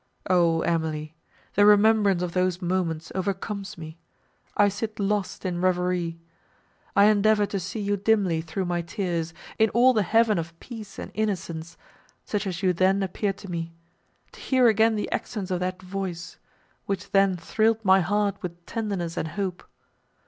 O Emily! the remembrance of those moments overcomes me—I sit lost in reverie—I endeavour to see you dimly through my tears, in all the heaven of peace and innocence, such as you then appeared to me; to hear again the accents of that voice, which then thrilled my heart with tenderness and hope.